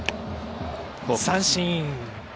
三振。